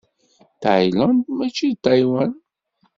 Ṭayland mačči d Ṭaywan.